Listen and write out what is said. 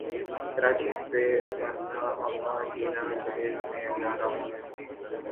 کراچی یِہ کرنا اماں جینا جہیز میں لانا ہونا